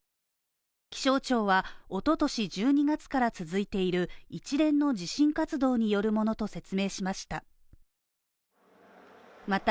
気象庁は、一昨年１２月から続いている一連の地震活動によるものと説明しました